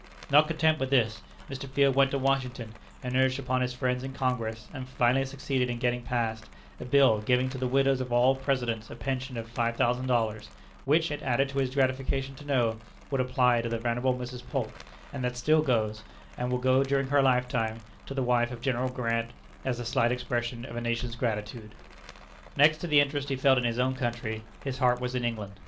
Not content with this, Mr. Field went to Washington, and urged upon his friends in Congress, and finally succeeded in getting passed, a bill giving to the widows of all Presidents a pension of $5,000, which, it added to his gratification to know, would apply to the venerable Mrs. Polk: and that still goes, and will go during her lifetime, to the wife of General Grant, as the slight expression of a nation's gratitude. Next to the interest he felt in his own country, his heart was in England.